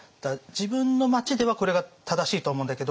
自分の町ではこれが正しいと思うんだけど